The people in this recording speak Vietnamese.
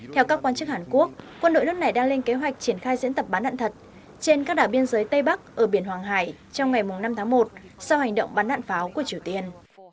theo các quan chức hàn quốc quân đội nước này đang lên kế hoạch triển khai diễn tập bắn đạn thật trên các đảo biên giới tây bắc ở biển hoàng hải trong ngày năm tháng một sau hành động bắn đạn pháo của triều tiên